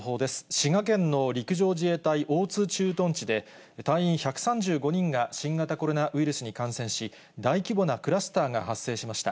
滋賀県の陸上自衛隊大津駐屯地で、隊員１３５人が新型コロナウイルスに感染し、大規模なクラスターが発生しました。